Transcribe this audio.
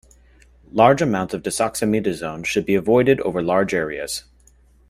Large amounts of desoximetasone should be avoided over large areas.